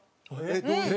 どういう？